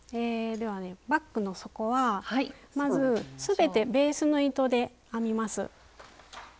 ではバッグの底はまずすべてベースの糸で編みます。